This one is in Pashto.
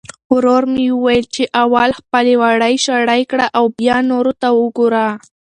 ورور مې وویل چې اول خپلې وړۍ شړۍ کړه او بیا نورو ته وګوره.